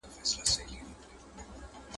غوټۍ